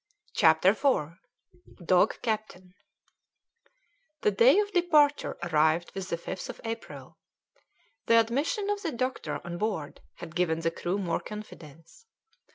CHAPTER IV DOG CAPTAIN The day of departure arrived with the 5th of April. The admission of the doctor on board had given the crew more confidence.